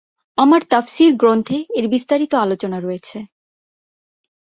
আমার তাফসীর গ্রন্থে এর বিস্তারিত আলোচনা রয়েছে।